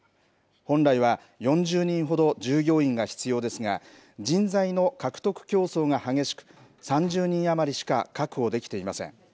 本来は４０人ほど従業員が必要ですが、人材の獲得競争が激しく、３０人余りしか確保できていません。